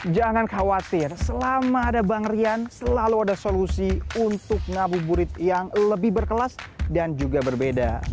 jangan khawatir selama ada bang rian selalu ada solusi untuk ngabuburit yang lebih berkelas dan juga berbeda